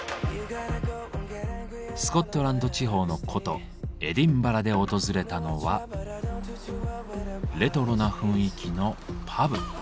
スコットランド地方の古都エディンバラで訪れたのはレトロな雰囲気のパブ。